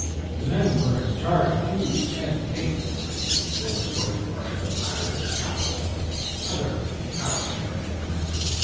The men were in charge of huge cans of paints, assorted brushes, ladders, scaffolds and other paraphernalia.